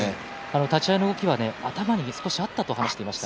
立ち合いの動きは頭に少しはあったという話をしていました。